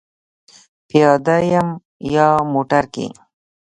پیاده یم یا موټر کې؟